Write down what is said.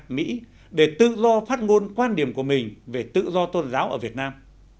mỹ để tự do phát ngôn quan điểm của mình về tự do tôn giáo ở việt nam